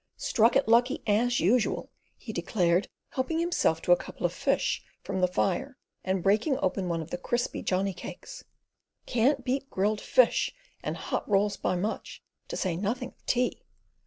"Struck it lucky, as usual," he declared, helping himself to a couple of fish from the fire and breaking open one of the crisp Johnny cakes. "Can't beat grilled fish and hot rolls by much, to say nothin' of tea."